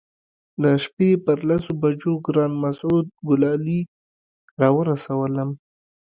د شپې پر لسو بجو ګران مسعود ګلالي راورسولم.